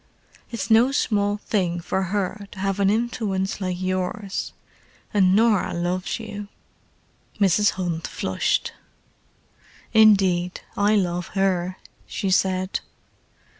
It's no small thing for her to have an influence like yours; and Norah loves you." Mrs. Hunt flushed. "Indeed, I love her," she said.